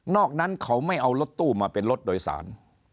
อกนั้นเขาไม่เอารถตู้มาเป็นรถโดยสาร